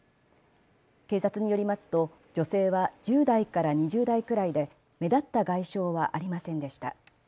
警察によりますと女性は１０代から２０代くらいで目立った外傷はありませんでした。